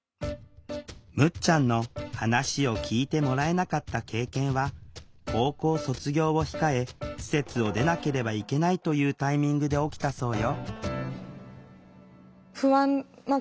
むっちゃんの話を聴いてもらえなかった経験は高校卒業を控え施設を出なければいけないというタイミングで起きたそうよ